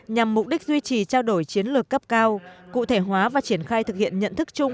nhằm mục đích duy trì trao đổi chiến lược cấp cao cụ thể hóa và triển khai thực hiện nhận thức chung